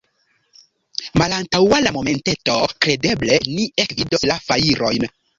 Malantaŭ la monteto, kredeble, ni ekvidos la fajrojn.